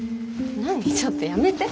ちょっとやめて。